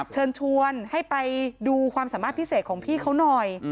เชิญชวนให้ไปดูความสามารถพิเศษของพี่เขาหน่อย